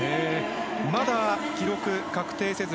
まだ記録確定せず。